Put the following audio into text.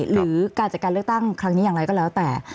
หรือการจัดการเลือกตั้งครั้งนี้อย่างไรก็แล้วแต่